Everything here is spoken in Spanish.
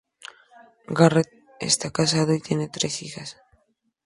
Garrett está casado y tiene tres hijas.